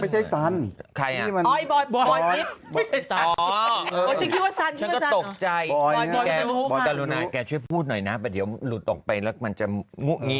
ฉันก็ตกใจแกช่วยพูดหน่อยนะนะแต่เดี๋ยวหลุดออกไปแล้วมันจะงุ่งงี้